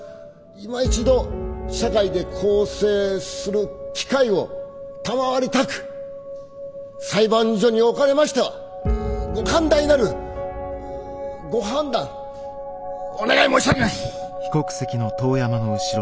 いま一度社会で更生する機会を賜りたく裁判所に置かれましてはご寛大なるご判断お願い申し上げます。